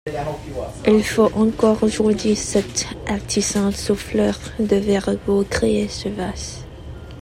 Il faut encore aujourd'hui sept artisans souffleurs de verre pour créer ce vase.